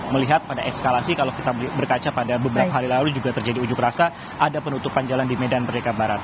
melihat pada eskalasi kalau kita berkaca pada beberapa hari lalu juga terjadi ujuk rasa ada penutupan jalan di medan merdeka barat